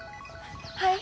はい。